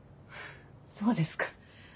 そうですか。